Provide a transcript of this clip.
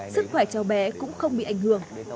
sức khỏe cháu bé cũng không bị ảnh hưởng